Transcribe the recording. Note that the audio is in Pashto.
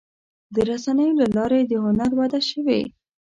د رسنیو له لارې د هنر وده شوې.